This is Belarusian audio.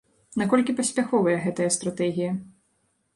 Наколькі паспяховая гэтая стратэгія?